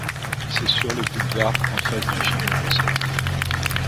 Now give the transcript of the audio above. C’est sur le boulevard, en face du Gymnase.